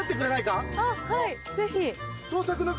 あぁはいぜひ。